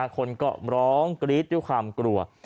คนก็ร้องกรี๊ดด้วยความกลัว